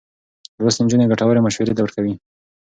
لوستې نجونې ګټورې مشورې ورکوي.